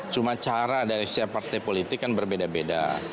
cuma cara dari setiap partai politik kan berbeda beda